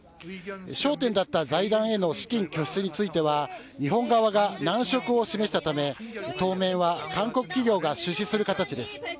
焦点だった財団への資金拠出については、日本側が難色を示したため、当面は韓国企業が出資する形です。